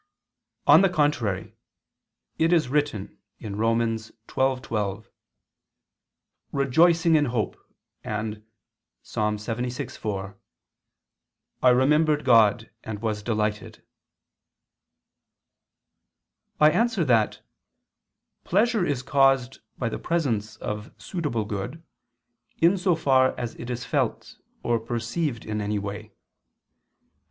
On the contrary, It is written (Rom. 12:12): "Rejoicing in hope"; and (Ps. 76:4): "I remembered God, and was delighted." I answer that, Pleasure is caused by the presence of suitable good, in so far as it is felt, or perceived in any way.